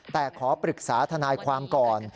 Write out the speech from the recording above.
แต่ขอปรึกษาทนายความก่อน